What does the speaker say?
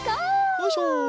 よいしょ！